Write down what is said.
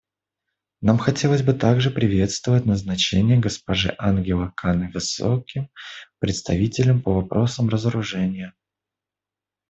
Нам хотелось бы также приветствовать назначение госпожи Ангелы Кане Высоким представителем по вопросам разоружения.